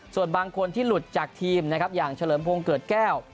ส่วนบางคนที่หลุดจากทีมอย่างเชลิมโพงเกิดแก้ว